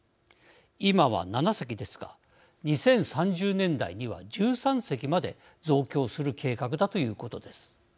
今は７隻ですが２０３０年代には１３隻まで増強する計画だということです。